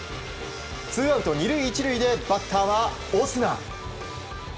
ツーアウト２塁１塁でバッターはオスナ。